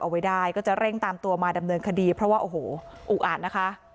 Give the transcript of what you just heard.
เอาไว้ได้ก็จะเร่งตามตัวมาดำเนินคดีเพราะว่าโอ้โหอุกอาจนะคะ